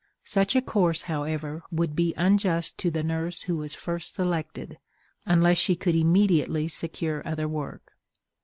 Such a course, however, would be unjust to the nurse who was first selected, unless she could immediately secure other work.